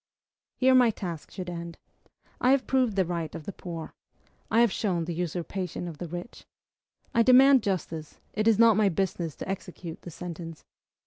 Here my task should end. I have proved the right of the poor; I have shown the usurpation of the rich. I demand justice; it is not my business to execute the sentence.